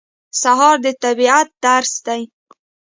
سهار د طبیعت درس دی.